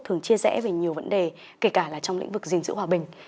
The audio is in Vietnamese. thường chia rẽ về nhiều vấn đề kể cả là trong lĩnh vực diện sử hòa bình